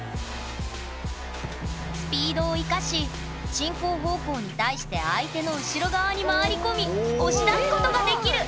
スピードを生かし進行方向に対して相手の後ろ側に回り込み押し出すことができる！